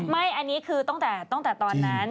ไม่อันนี้คือตั้งแต่ตอนนั้น